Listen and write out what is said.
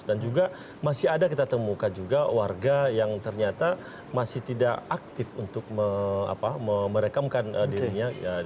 dan juga masih ada kita temukan juga warga yang ternyata masih tidak aktif untuk merekamkan dirinya